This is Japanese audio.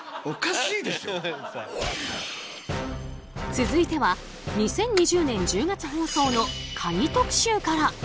続いては２０２０年１０月放送の鍵特集から！